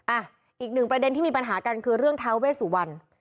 อ่ะอีกหนึ่งประเด็นที่มีปัญหากันคือเรื่องท้าเวสุวรรณ